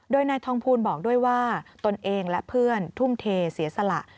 โดยนายทองภูลบอกด้วยว่าตนเองและเพื่อนทุ่มเทเสียสละ